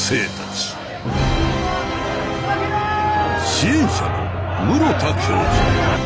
支援者の室田教授。